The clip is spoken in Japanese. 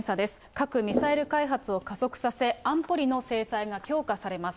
核・ミサイル開発を加速させ、安保理の制裁が強化されます。